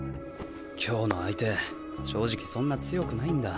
今日の相手正直そんな強くないんだ。